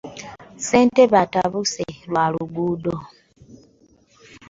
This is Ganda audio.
Ssentebe atabuse lwa luguudo.